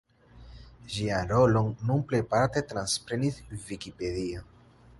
Ĝian rolon nun plejparte transprenis Vikipedio.